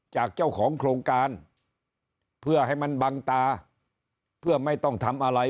จากเจ้าของโครงการเพื่อให้มันบังตาเพื่อไม่ต้องทำอะไร